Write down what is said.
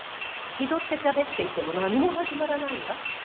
気取ってしゃべっていても何も始まらないわ。